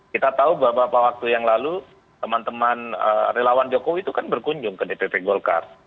kita tahu beberapa waktu yang lalu teman teman relawan jokowi itu kan berkunjung ke dpp golkar